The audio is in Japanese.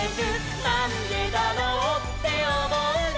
「なんでだろうっておもうなら」